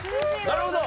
なるほど。